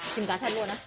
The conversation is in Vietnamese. trứng cá thêm luôn á